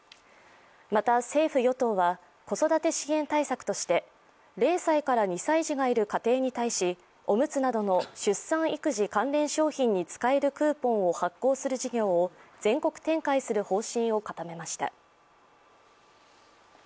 また、政府・与党は子育て支援対策として０歳から２歳児がいる家庭に対しおむつなどの出産・育児関連商品に使えるクーポンを発行する事業を全国展開する方針を固めました。